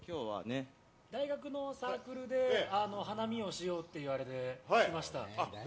大学のサークルで花見をしようって言われてきました。